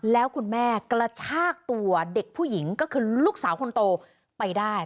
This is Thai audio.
แล้วคุณแม่กระชากตัวเด็กผู้หญิงก็คือลูกสาวคนโตไปได้